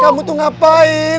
kamu tuh ngapain